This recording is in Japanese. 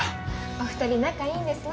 お二人仲いいんですね。